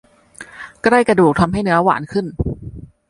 ใกล้กระดูกทำให้เนื้อหวานขึ้น